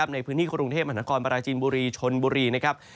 ในพื้นที่กรุงเทพมหานครปราจีนบุรีชนบุรีนะครับ